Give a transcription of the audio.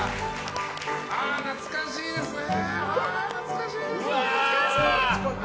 懐かしいですね！